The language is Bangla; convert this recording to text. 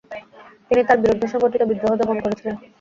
তিনি তার বিরুদ্ধে সংঘটিত বিদ্রোহ দমন করেছিলেন।